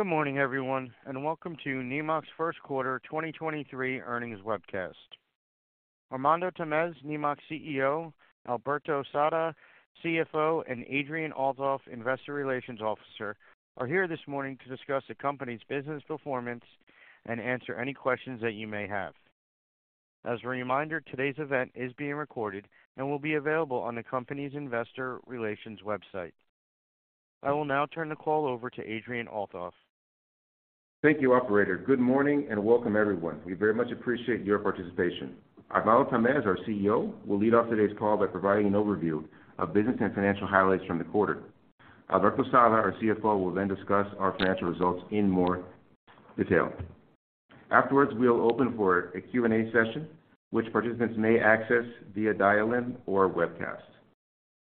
Good morning, everyone, and welcome to Nemak's first quarter 2023 earnings webcast. Armando Tamez, Nemak's CEO, Alberto Sada, CFO, and Adrian Althoff, Investor Relations Officer, are here this morning to discuss the company's business performance and answer any questions that you may have. As a reminder, today's event is being recorded and will be available on the company's investor relations website. I will now turn the call over to Adrian Althoff. Thank you, operator. Good morning, and welcome everyone. We very much appreciate your participation. Armando Tamez, our CEO, will lead off today's call by providing an overview of business and financial highlights from the quarter. Alberto Sada, our CFO, will then discuss our financial results in more detail. Afterwards, we'll open for a Q&A session, which participants may access via dial-in or webcast.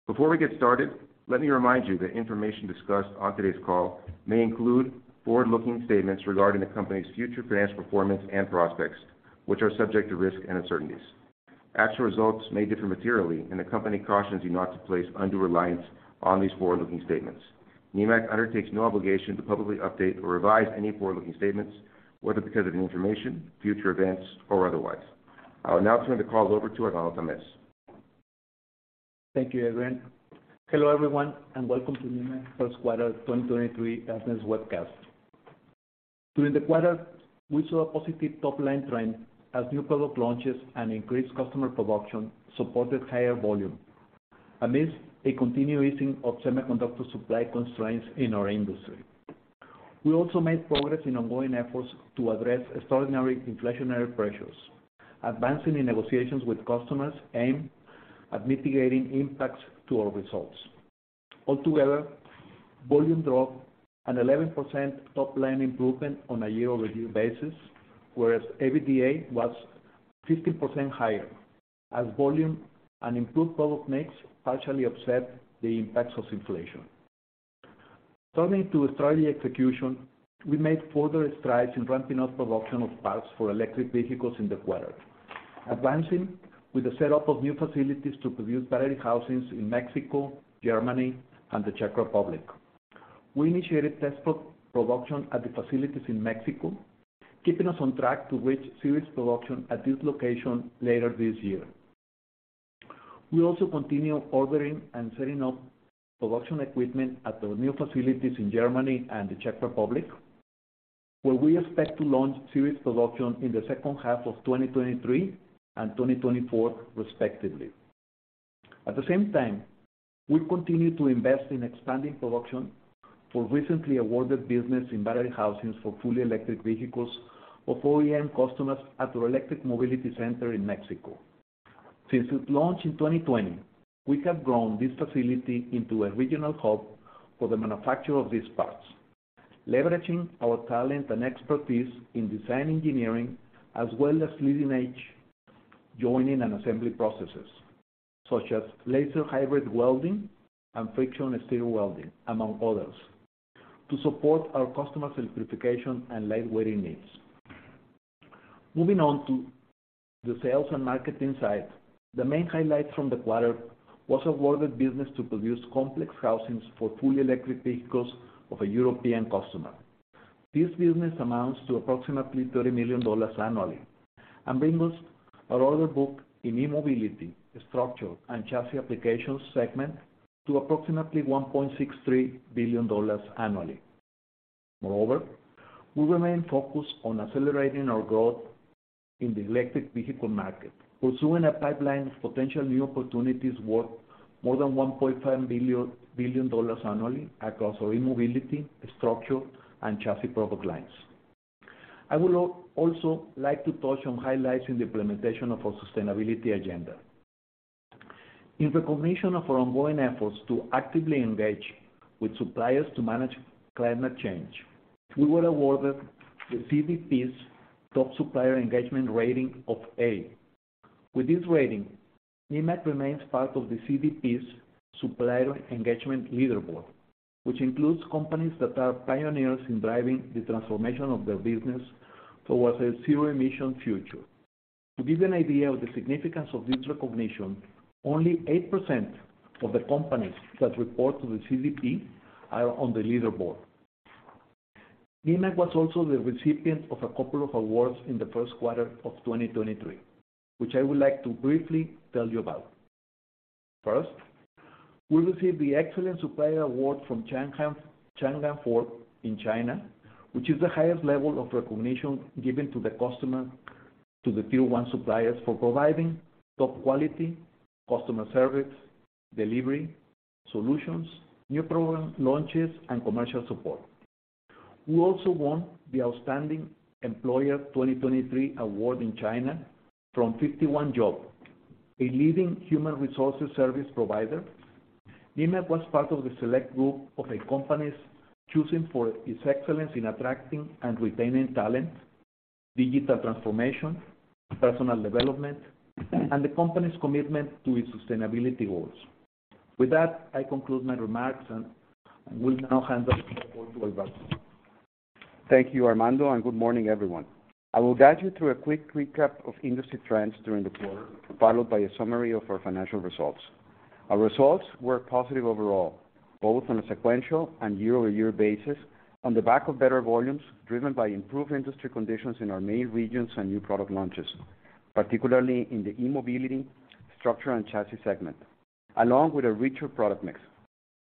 Before we get started, let me remind you that information discussed on today's call may include forward-looking statements regarding the company's future financial performance and prospects, which are subject to risk and uncertainties. Actual results may differ materially, and the company cautions you not to place undue reliance on these forward-looking statements. Nemak undertakes no obligation to publicly update or revise any forward-looking statements, whether because of new information, future events, or otherwise. I will now turn the call over to Armando Tamez. Thank you, Adrian. Hello, everyone, and welcome to Nemak's first quarter 2023 earnings webcast. During the quarter, we saw a positive top-line trend as new product launches and increased customer production supported higher volume amidst a continued easing of semiconductor supply constraints in our industry. We also made progress in ongoing efforts to address extraordinary inflationary pressures, advancing in negotiations with customers aimed at mitigating impacts to our results. Altogether, volume drove an 11% top-line improvement on a year-over-year basis, whereas EBITDA was 15% higher as volume and improved product mix partially offset the impacts of inflation. Turning to strategy execution, we made further strides in ramping up production of parts for electric vehicles in the quarter, advancing with the set-up of new facilities to produce battery housings in Mexico, Germany, and the Czech Republic. We initiated test pro-production at the facilities in Mexico, keeping us on track to reach series production at this location later this year. We also continue ordering and setting up production equipment at the new facilities in Germany and the Czech Republic, where we expect to launch series production in the second half of 2023 and 2024 respectively.At the same time, we continue to invest in expanding production for recently awarded business in battery housings for fully electric vehicles of OEM customers at our E-mobility center in Mexico. Since its launch in 2020, we have grown this facility into a regional hub for the manufacture of these parts, leveraging our talent and expertise in design engineering, as well as leading-edge joining and assembly processes, such as laser hybrid welding and friction stir welding, among others, to support our customers' electrification and lightweighting needs. Moving on to the sales and marketing side, the main highlights from the quarter was awarded business to produce complex housings for fully electric vehicles of a European customer. This business amounts to approximately $30 million annually and brings our order book in E-Mobility structure and chassis applications segment to approximately $1.63 billion annually. Moreover, we remain focused on accelerating our growth in the electric vehicle market, pursuing a pipeline of potential new opportunities worth more than $1.5 billion annually across our E-Mobility, structure, and chassis product lines. I would also like to touch on highlights in the implementation of our sustainability agenda. In recognition of our ongoing efforts to actively engage with suppliers to manage climate change, we were awarded the CDP's top supplier engagement rating of A. With this rating, Nemak remains part of the CDP's Supplier Engagement Leaderboard, which includes companies that are pioneers in driving the transformation of their business towards a zero-emission future. To give you an idea of the significance of this recognition, only 8% of the companies that report to the CDP are on the leaderboard. Nemak was also the recipient of a couple of awards in the first quarter of 2023, which I would like to briefly tell you about. We received the Excellent Supplier Award from Changan Ford in China, which is the highest level of recognition given to the tier-one suppliers for providing top quality, customer service, delivery, solutions, new program launches, and commercial support. We also won the Outstanding Employer 2023 award in China from 51job, a leading human resources service provider. Nemak was part of the select group of the companies chosen for its excellence in attracting and retaining talent, digital transformation, personal development, and the company's commitment to its sustainability goals. With that, I conclude my remarks and will now hand over the call to Alberto. Thank you, Armando, and good morning, everyone. I will guide you through a quick recap of industry trends during the quarter, followed by a summary of our financial results. Our results were positive overall, both on a sequential and year-over-year basis, on the back of better volumes driven by improved industry conditions in our main regions and new product launches, particularly in the E-mobility structure and chassis segment, along with a richer product mix.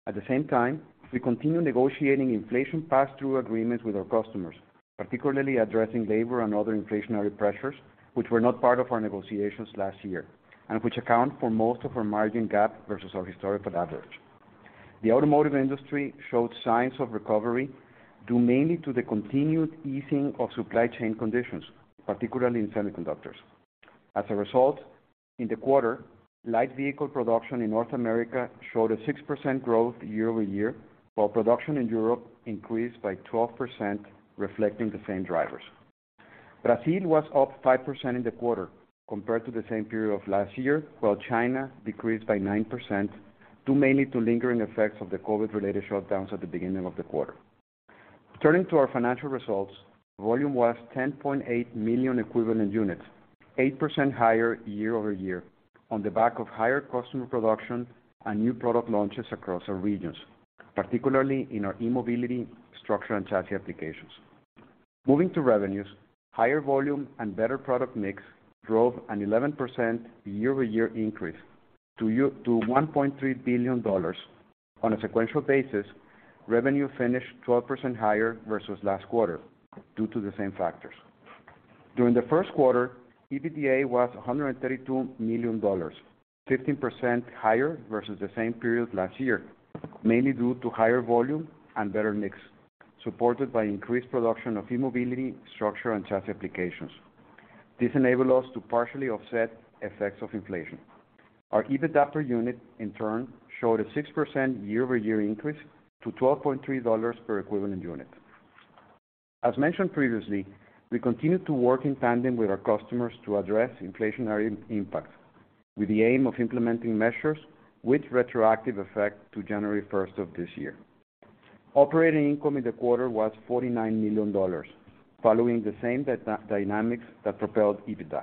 At the same time, we continue negotiating inflation pass-through agreements with our customers, particularly addressing labor and other inflationary pressures, which were not part of our negotiations last year, and which account for most of our margin gap versus our historical average. The automotive industry showed signs of recovery due mainly to the continued easing of supply chain conditions, particularly in semiconductors. As a result, in the quarter, light vehicle production in North America showed a 6% growth year-over-year, while production in Europe increased by 12%, reflecting the same drivers. Brazil was up 5% in the quarter compared to the same period of last year, while China decreased by 9%, due mainly to lingering effects of the COVID-related shutdowns at the beginning of the quarter. Turning to our financial results, volume was 10.8 million equivalent units, 8% higher year-over-year on the back of higher customer production and new product launches across our regions, particularly in our E-mobility, structure, and chassis applications. Moving to revenues, higher volume and better product mix drove an 11% year-over-year increase to $1.3 billion. On a sequential basis, revenue finished 12% higher versus last quarter due to the same factors. During the 1st quarter, EBITDA was $132 million, 15% higher versus the same period last year, mainly due to higher volume and better mix, supported by increased production of E-mobility, structure, and chassis applications. This enabled us to partially offset effects of inflation. Our EBITDA per unit, in turn, showed a 6% year-over-year increase to $12.3 per equivalent unit. As mentioned previously, we continue to work in tandem with our customers to address inflationary impact with the aim of implementing measures with retroactive effect to January 1st of this year. Operating income in the quarter was $49 million, following the same dynamics that propelled EBITDA.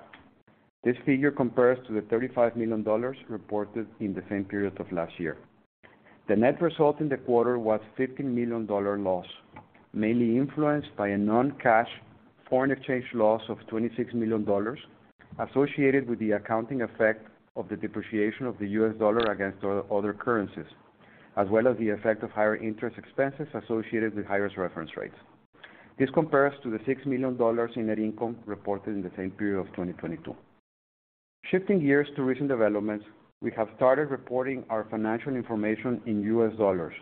This figure compares to the $35 million reported in the same period of last year. The net result in the quarter was a $15 million loss, mainly influenced by a non-cash foreign exchange loss of $26 million associated with the accounting effect of the depreciation of the US dollar against other currencies, as well as the effect of higher interest expenses associated with higher reference rates. This compares to the $6 million in net income reported in the same period of 2022. Shifting gears to recent developments, we have started reporting our financial information in US dollars,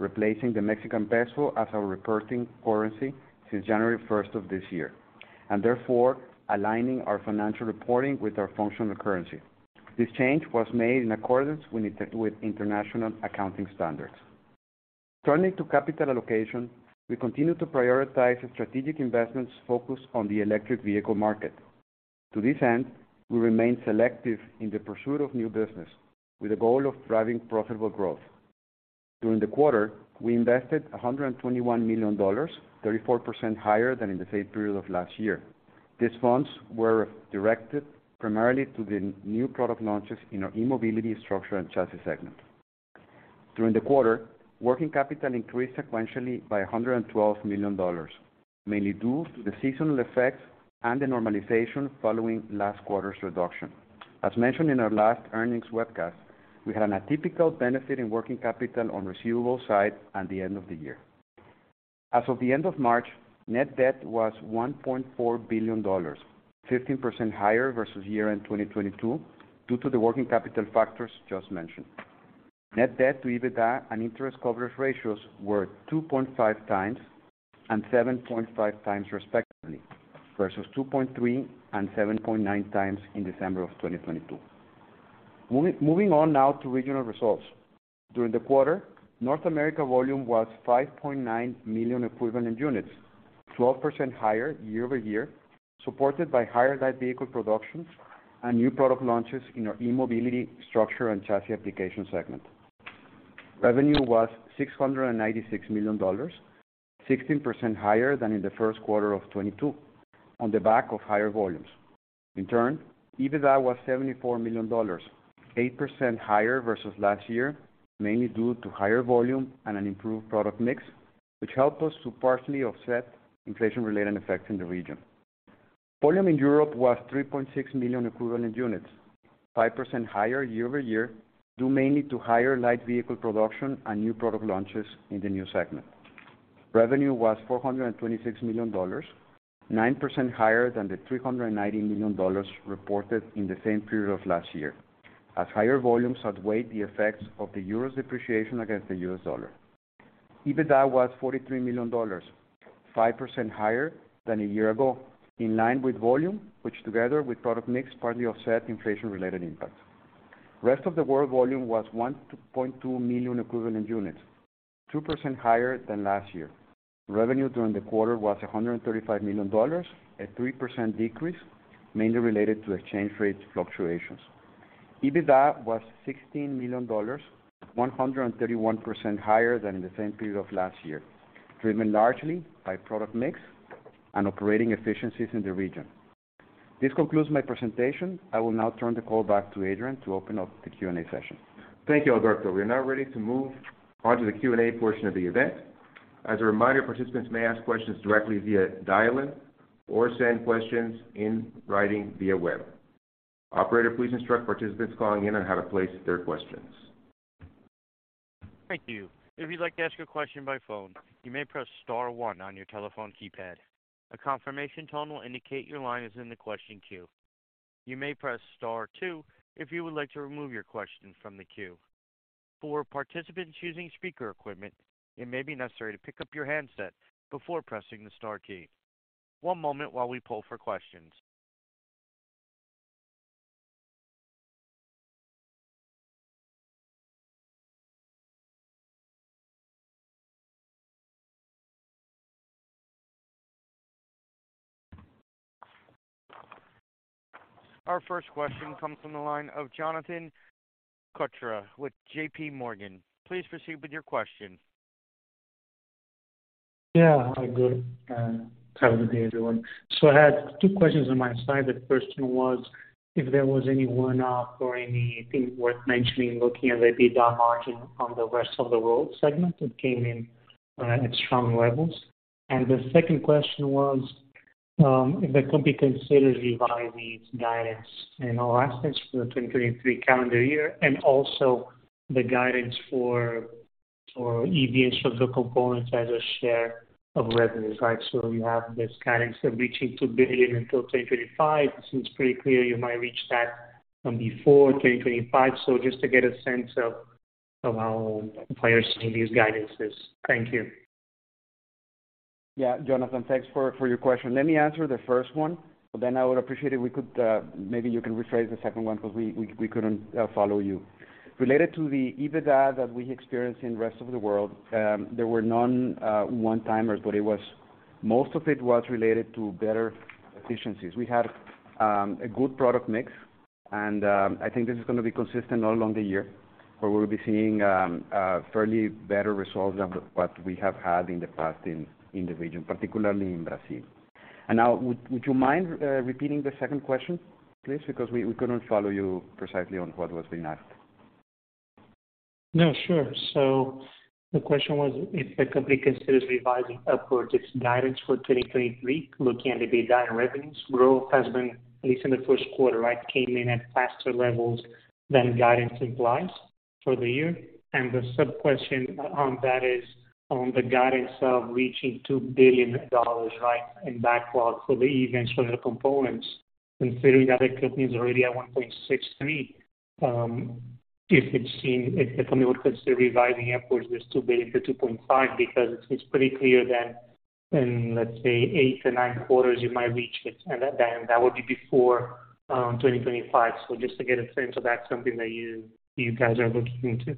replacing the Mexican peso as our reporting currency since January 1st of this year, and therefore aligning our financial reporting with our functional currency. This change was made in accordance with international accounting standards. Turning to capital allocation, we continue to prioritize strategic investments focused on the electric vehicle market. To this end, we remain selective in the pursuit of new business with the goal of driving profitable growth. During the quarter, we invested $121 million, 34% higher than in the same period of last year. These funds were directed primarily to the new product launches in our E-mobility, structure, and chassis segment. During the quarter, working capital increased sequentially by $112 million, mainly due to the seasonal effects and the normalization following last quarter's reduction. As mentioned in our last earnings webcast, we had an atypical benefit in working capital on receivable side at the end of the year. As of the end of March, net debt was $1.4 billion, 15% higher versus year-end 2022 due to the working capital factors just mentioned. Net debt to EBITDA and interest coverage ratios were 2.5 times and 7.5 times, respectively, versus 2.3 and 7.9 times in December 2022. Moving on now to regional results. During the quarter, North America volume was 5.9 million equivalent units, 12% higher year-over-year, supported by higher light vehicle productions and new product launches in our E-mobility structure and chassis application segment. Revenue was $696 million, 16% higher than in the first quarter of 2022 on the back of higher volumes. In turn, EBITDA was $74 million, 8% higher versus last year, mainly due to higher volume and an improved product mix, which helped us to partially offset inflation-related effects in the region. Volume in Europe was 3.6 million equivalent units, 5% higher year-over-year, due mainly to higher light vehicle production and new product launches in the new segment. Revenue was $426 million, 9% higher than the $390 million reported in the same period of last year, as higher volumes outweighed the effects of the euro's depreciation against the US dollar. EBITDA was $43 million, 5% higher than a year ago, in line with volume, which together with product mix, partly offset inflation-related impacts. Rest of the world volume was 1.2 million equivalent units, 2% higher than last year. Revenue during the quarter was $135 million, a 3% decrease, mainly related to exchange rate fluctuations. EBITDA was $16 million, 131% higher than in the same period of last year, driven largely by product mix and operating efficiencies in the region. This concludes my presentation. I will now turn the call back to Adrian to open up the Q&A session. Thank you, Alberto. We are now ready to move on to the Q&A portion of the event. As a reminder, participants may ask questions directly via dial-in or send questions in writing via web. Operator, please instruct participants calling in on how to place their questions. Thank you. If you'd like to ask a question by phone, you may press star one on your telephone keypad. A confirmation tone will indicate your line is in the question queue. You may press star two if you would like to remove your question from the queue. For participants using speaker equipment, it may be necessary to pick up your handset before pressing the star key. One moment while we pull for questions. Our first question comes from the line of Jonathan Koutras with JPMorgan. Please proceed with your question. Hi, good. Have a good day, everyone. I had two questions on my side. The first one was if there was any one-off or anything worth mentioning looking at the EBITDA margin on the rest of the world segment that came in at strong levels. The second question was if the company considers revising its guidance in all aspects for the 2023 calendar year, and also the guidance for EVS structural components as a share of revenues. Right. You have this guidance of reaching $2 billion until 2025. It seems pretty clear you might reach that before 2025. Just to get a sense of how players see these guidances. Thank you. Jonathan, thanks for your question. Let me answer the first one. I would appreciate if we could, maybe you can rephrase the second one because we couldn't follow you. Related to the EBITDA that we experienced in rest of the world, there were none one-timers. It was most of it was related to better efficiencies. We had a good product mix. I think this is gonna be consistent all along the year, where we'll be seeing fairly better results than what we have had in the past in the region, particularly in Brazil. Now would you mind repeating the second question, please? Because we couldn't follow you precisely on what was being asked. The question was if the company considers revising upwards its guidance for 2023, looking at the EBITDA and revenues growth has been at least in the first quarter, right, came in at faster levels than guidance implies for the year. The sub-question on that is on the guidance of reaching $2 billion, right, in backlog for the events for the components, considering that the company is already at $1.63 billion, if it's seen, if the company would consider revising upwards this to be the $2.5 billion. It's pretty clear that in, let's say 8-9 quarters you might reach it, and that would be before 2025. Just to get a sense of that, something that you guys are looking into.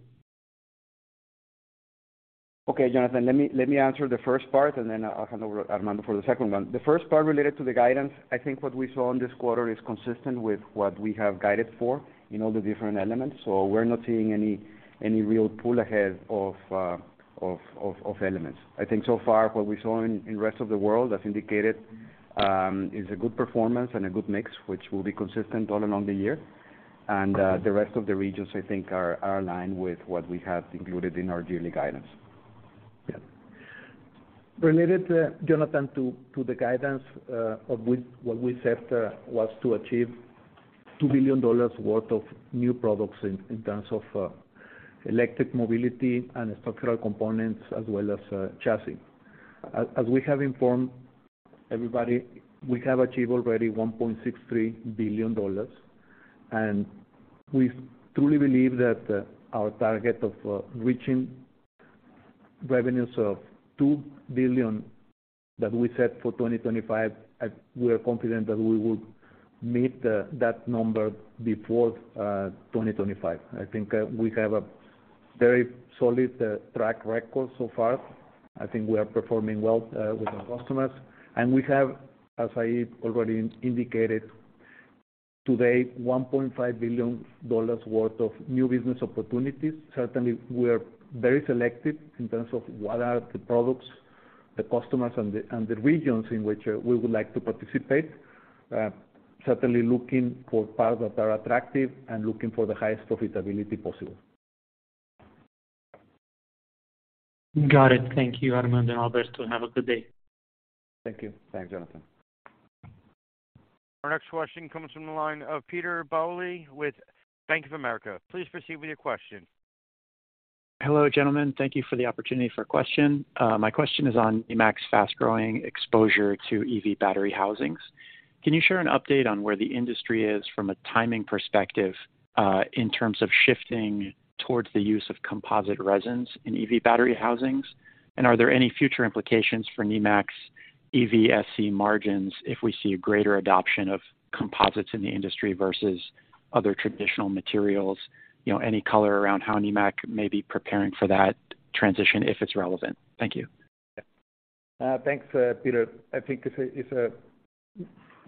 Okay, Jonathan, let me answer the first part, and then I'll hand over Armando for the second one. The first part related to the guidance, I think what we saw in this quarter is consistent with what we have guided for in all the different elements. We're not seeing any real pull ahead of elements. I think so far what we saw in rest of the world as indicated, is a good performance and a good mix, which will be consistent all along the year. The rest of the regions I think are aligned with what we have included in our yearly guidance. Yeah. Related, Jonathan, to the guidance, what we set was to achieve $2 billion worth of new products in terms of electric mobility and structural components as well as chassis. As we have informed everybody, we have achieved already $1.63 billion, and we truly believe that our target of reaching revenues of $2 billion that we set for 2025, we are confident that we would meet that number before 2025. I think we have a very solid track record so far. I think we are performing well with our customers. We have, as I already indicated, today, $1.5 billion worth of new business opportunities. Certainly, we are very selective in terms of what are the products the customers and the regions in which we would like to participate. Certainly looking for parts that are attractive and looking for the highest profitability possible. Got it. Thank you, Armando and Alberto. Have a good day. Thank you. Thanks, Jonathan. Our next question comes from the line of Peter Bowley with Bank of America. Please proceed with your question. Hello, gentlemen. Thank you for the opportunity for a question. My question is on Nemak's fast-growing exposure to EV battery housings. Can you share an update on where the industry is from a timing perspective, in terms of shifting towards the use of composite resins in EV battery housings? Are there any future implications for Nemak's EV/SC margins if we see a greater adoption of composites in the industry versus other traditional materials? You know, any color around how Nemak may be preparing for that transition, if it's relevant? Thank you. Yeah. Thanks, Peter. I think it's a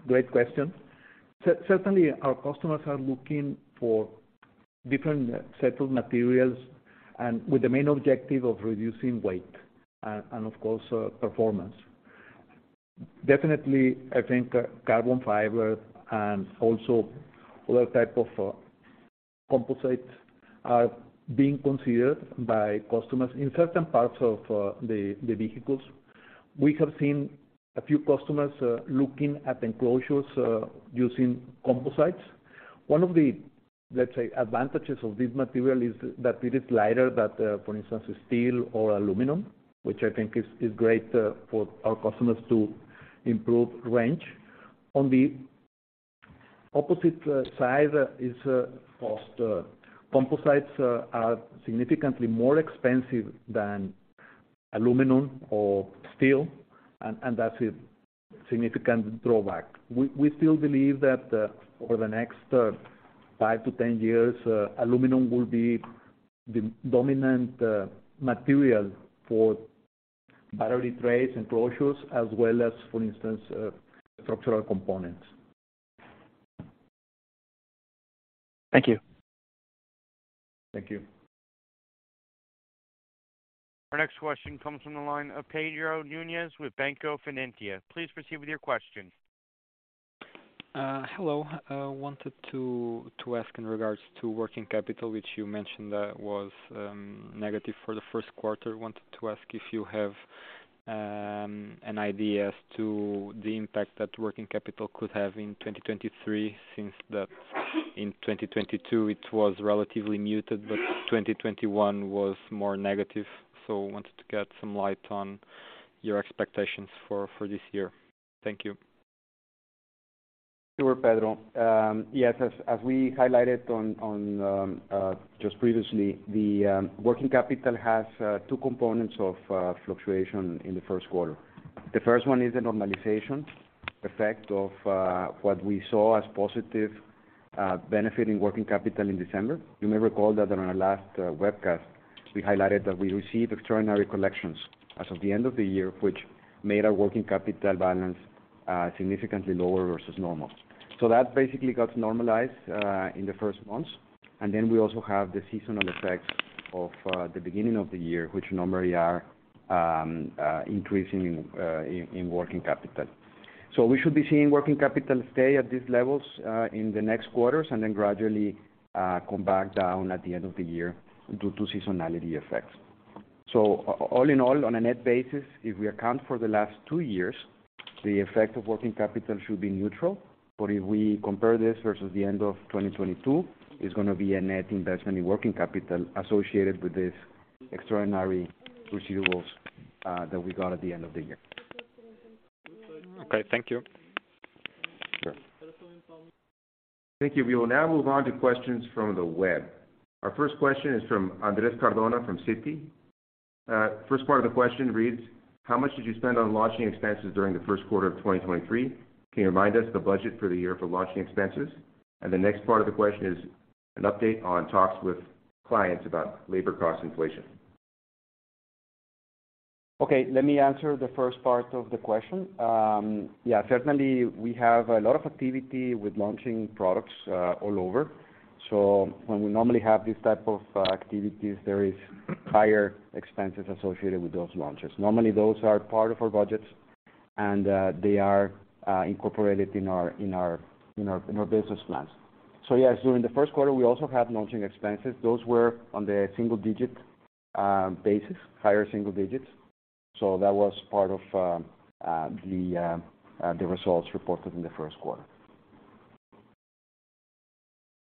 great question. Certainly our customers are looking for different set of materials and with the main objective of reducing weight and of course, performance. Definitely, I think, carbon fiber and also other type of composites are being considered by customers in certain parts of the vehicles. We have seen a few customers looking at enclosures using composites. One of the, let's say, advantages of this material is that it is lighter than, for instance, steel or aluminum, which I think is great for our customers to improve range. On the opposite side is, of course, the composites are significantly more expensive than aluminum or steel, and that's a significant drawback. We still believe that over the next 5 to 10 years, aluminum will be the dominant material for battery trays, enclosures, as well as, for instance, structural components. Thank you. Thank you. Our next question comes from the line of Pedro Núñez with Banco Finantia. Please proceed with your question. Hello. I wanted to ask in regards to working capital, which you mentioned that was negative for the first quarter. Wanted to ask if you have an idea as to the impact that working capital could have in 2023 since that in 2022, it was relatively muted, but 2021 was more negative. Wanted to get some light on your expectations for this year. Thank you. Sure, Pedro. Yes, as we highlighted on just previously, the working capital has 2 components of fluctuation in the 1st quarter. The 1st one is the normalization effect of what we saw as positive benefit in working capital in December. You may recall that on our last webcast, we highlighted that we received extraordinary collections as of the end of the year, which made our working capital balance significantly lower versus normal. That basically got normalized in the 1st months. Then we also have the seasonal effects of the beginning of the year, which normally are increasing in working capital. We should be seeing working capital stay at these levels in the next quarters, gradually come back down at the end of the year due to seasonality effects. All in all, on a net basis, if we account for the last 2 years, the effect of working capital should be neutral. If we compare this versus the end of 2022, it's gonna be a net investment in working capital associated with this extraordinary receivables that we got at the end of the year. Okay. Thank you. Sure. Thank you. We will now move on to questions from the web. Our first question is from Andrés Cardona from Citi. first part of the question reads: How much did you spend on launching expenses during the first quarter of 2023? Can you remind us the budget for the year for launching expenses? The next part of the question is an update on talks with clients about labor cost inflation. Okay, let me answer the first part of the question. Yeah, certainly we have a lot of activity with launching products, all over. When we normally have these type of activities, there is higher expenses associated with those launches. Normally, those are part of our budgets, and they are incorporated in our business plans. Yes, during the first quarter, we also had launching expenses. Those were on the single digit basis, higher single digits. That was part of the results reported in the first quarter.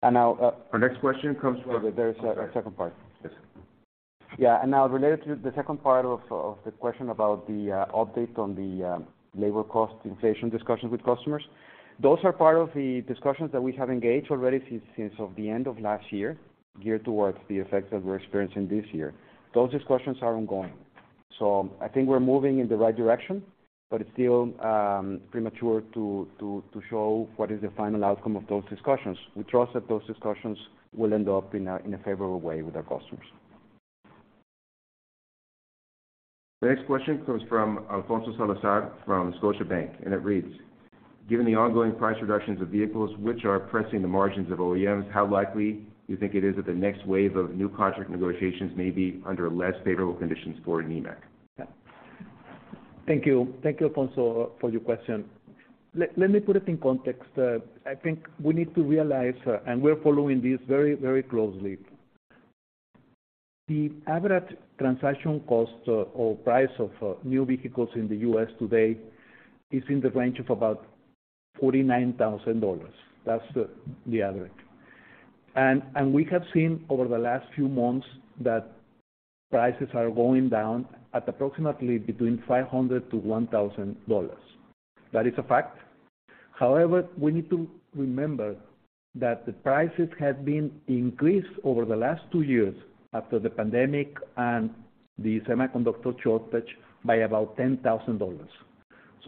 Now. Our next question comes from. There is a second part. Yes. Yeah. Now related to the second part of the question about the update on the labor cost inflation discussions with customers, those are part of the discussions that we have engaged already since the end of last year, geared towards the effects that we're experiencing this year. Those discussions are ongoing. I think we're moving in the right direction, but it's still premature to show what is the final outcome of those discussions. We trust that those discussions will end up in a favorable way with our customers. The next question comes from Alfonso Salazar from Scotiabank. It reads: Given the ongoing price reductions of vehicles, which are pressing the margins of OEMs, how likely do you think it is that the next wave of new contract negotiations may be under less favorable conditions for Nemak? Thank you. Thank you, Alfonso, for your question. Let me put it in context. I think we need to realize, and we're following this very closely. The average transaction cost or price of new vehicles in the U.S. today is in the range of about $49,000. That's the average. We have seen over the last few months that prices are going down at approximately between $500-$1,000. That is a fact. However, we need to remember that the prices had been increased over the last 2 years after the pandemic and the semiconductor shortage by about $10,000.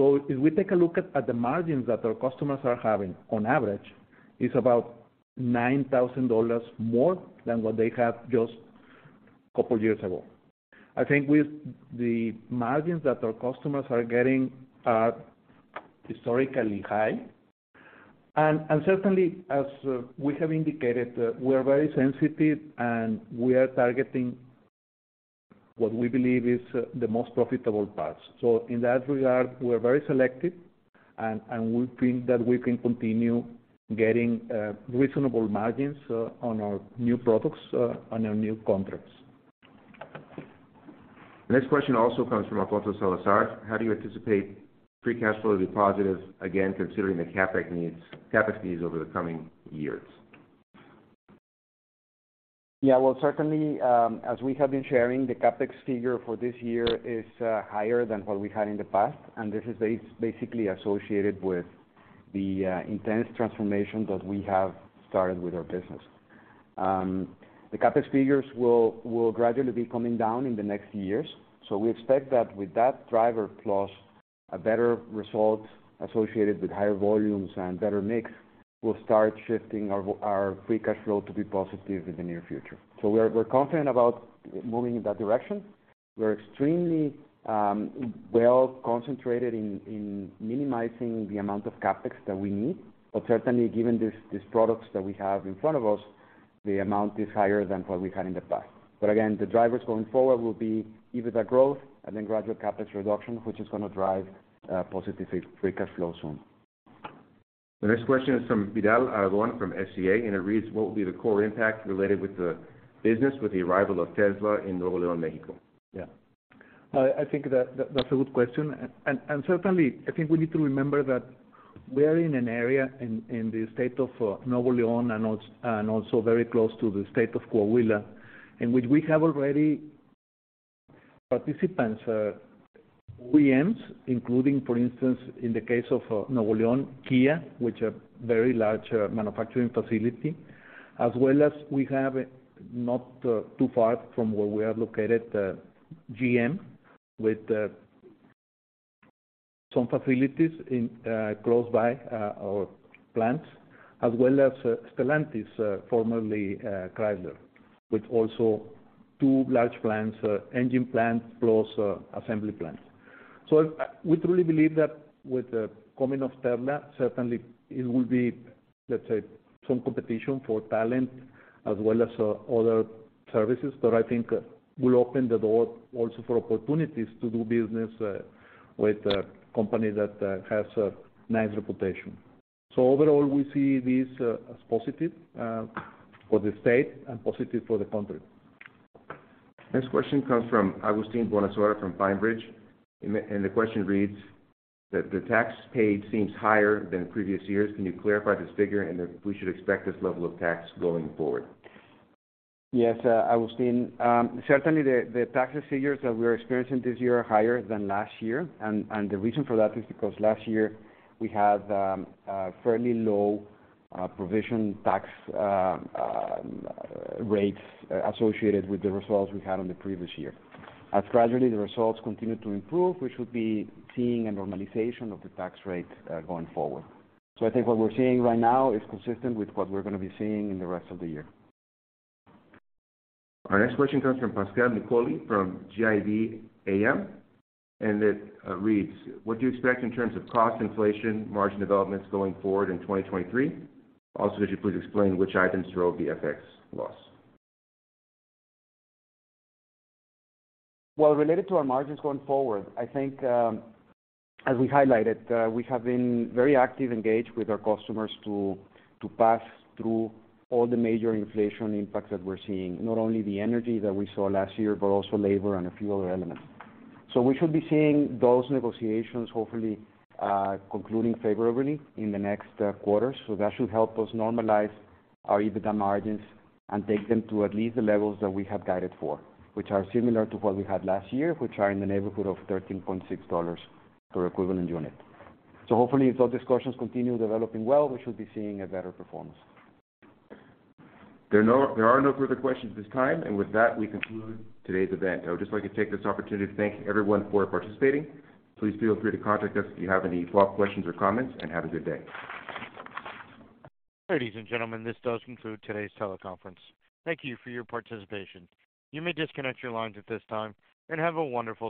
If we take a look at the margins that our customers are having on average, it's about $9,000 more than what they had justCouple years ago. I think with the margins that our customers are getting are historically high. Certainly, as we have indicated, we are very sensitive and we are targeting what we believe is the most profitable parts. In that regard, we're very selective and we think that we can continue getting reasonable margins on our new products on our new contracts. The next question also comes from Alberto Salazar: How do you anticipate free cash flow to be positive again, considering the CapEx needs over the coming years? Certainly, as we have been sharing, the CapEx figure for this year is higher than what we had in the past. This is basically associated with the intense transformation that we have started with our business. The CapEx figures will gradually be coming down in the next years. We expect that with that driver, plus a better result associated with higher volumes and better mix, will start shifting our free cash flow to be positive in the near future. We're confident about moving in that direction. We're extremely well concentrated in minimizing the amount of CapEx that we need. Certainly, given these products that we have in front of us, the amount is higher than what we had in the past. Again, the drivers going forward will be EBITDA growth and then gradual CapEx reduction, which is gonna drive positive free cash flow soon. The next question is from Vidal Aragon from FCA. It reads: What will be the core impact related with the business with the arrival of Tesla in Nuevo Leon, Mexico? Yeah. I think that's a good question. Certainly, I think we need to remember that we're in an area in the state of Nuevo Leon and also very close to the state of Coahuila, in which we have already participants, OEMs, including, for instance, in the case of Nuevo Leon, Kia, which a very large manufacturing facility. As well as we have, not too far from where we are located, GM with some facilities in close by our plants. As well as Stellantis, formerly Chrysler, with also two large plants, engine plant, plus assembly plant. We truly believe that with the coming of Tesla, certainly it will be, let's say, some competition for talent as well as other services. I think will open the door also for opportunities to do business, with a company that has a nice reputation. Overall, we see this as positive, for the state and positive for the country. Next question comes from Agustin Bonasera from PineBridge. The question reads: The tax paid seems higher than previous years. Can you clarify this figure and if we should expect this level of tax going forward? Yes, Augustine. Certainly the taxes figures that we are experiencing this year are higher than last year. The reason for that is because last year we had a fairly low provision tax rate associated with the results we had on the previous year. As gradually the results continue to improve, we should be seeing a normalization of the tax rate going forward. I think what we're seeing right now is consistent with what we're gonna be seeing in the rest of the year. Our next question comes from Pascale Nicoly from GIB Asset Management. It reads: What do you expect in terms of cost inflation, margin developments going forward in 2023? Also, could you please explain which items drove the FX loss? Well, related to our margins going forward, as we highlighted, we have been very active, engaged with our customers to pass through all the major inflation impacts that we're seeing, not only the energy that we saw last year, but also labor and a few other elements. We should be seeing those negotiations, hopefully, concluding favorably in the next quarter. That should help us normalize our EBITDA margins and take them to at least the levels that we have guided for, which are similar to what we had last year, which are in the neighborhood of $13.6 per equivalent unit. Hopefully, if those discussions continue developing well, we should be seeing a better performance. There are no further questions at this time. With that, we conclude today's event. I would just like to take this opportunity to thank everyone for participating. Please feel free to contact us if you have any follow-up questions or comments, and have a good day. Ladies and gentlemen, this does conclude today's teleconference. Thank you for your participation. You may disconnect your lines at this time. Have a wonderful day.